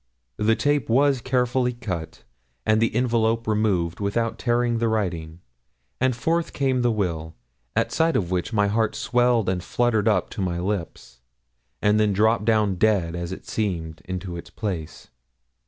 The tape was carefully cut, and the envelope removed without tearing the writing, and forth came the will, at sight of which my heart swelled and fluttered up to my lips, and then dropped down dead as it seemed into its place.